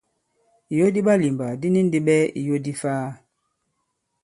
Ìyo di ɓalìmbà di ni ndi ɓɛɛ ìyo di ifaa.